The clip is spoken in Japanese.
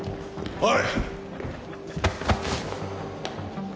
おい！